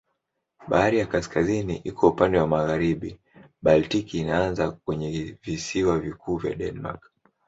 Bahari ya Kaskazini iko upande wa magharibi, Baltiki inaanza kwenye visiwa vikuu vya Denmark.